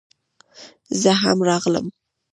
زه هم راغلم